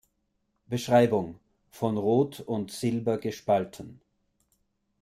Beschreibung: Von Rot und Silber gespalten.